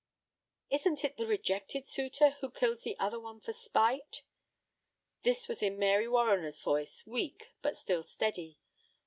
"Isn't it the rejected suitor who kills the other one for spite?" This was in Mary Warriner's voice, weak, but still steady.